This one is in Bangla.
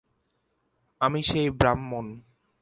আমি সেই ব্রাহ্মণ।